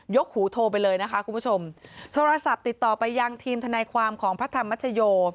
หูโทรไปเลยนะคะคุณผู้ชมโทรศัพท์ติดต่อไปยังทีมทนายความของพระธรรมชโย